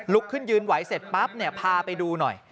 ลุกขึ้นยืนไหวเสร็จปั๊บพาไปดูหน่อย